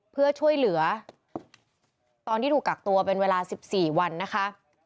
เพื่อช่วยเหลือตอนที่ถูกกักตัวเป็นเวลา๑๔วันนะคะ